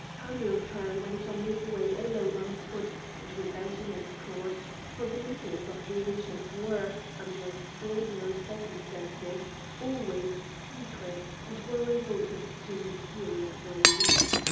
Hamilcar went on his way alone on foot and without an escort, for the meetings of the Ancients were, under extraordinary circumstances, always secret, and were resorted to mysteriously.